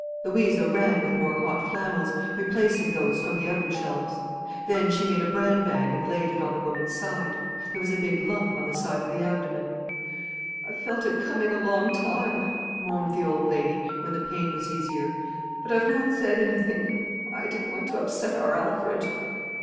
Louisa ran with more hot flannels, replacing those from the oven shelves. Then she made a bran bag and laid it on the woman's side. There was a big lump on the side of the abdomen. "I've felt it coming a long time," moaned the old lady, when the pain was easier, "but I've not said anything; I didn't want to upset our Alfred."